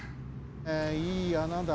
いい穴だ。